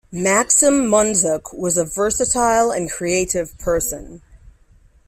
Maxim Munzuk was a versatile and creative person.